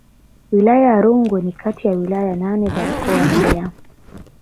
Wilaya ya Rungwe ni kati ya wilaya nane za mkoa wa Mbeya